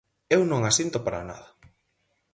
Eu non a sinto para nada.